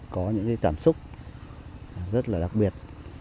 có những cảm xúc rất là đặc biệt